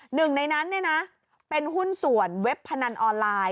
หนึ่งในนั้นเป็นหุ้นส่วนเว็บพนันออนไลน์